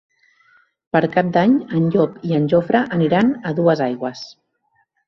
Per Cap d'Any en Llop i en Jofre aniran a Duesaigües.